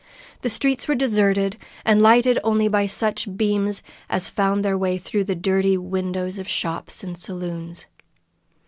The streets were deserted, and lighted only by such beams as found their way through the dirty windows of shops and saloons.